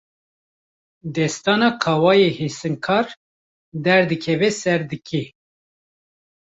Destana Kawayê Hesinkar, derdikeve ser dikê